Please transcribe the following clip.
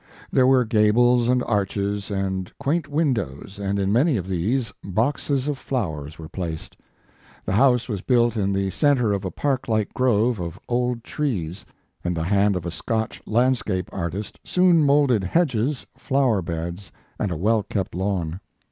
There were gables and arches and quaint windows, and in many of these, boxes of flowers were placed. The house was built in the center of a park like grove of old trees, and the hand of a Scotch landscape artist soon molded hedges, flower beds and a well kept lawn.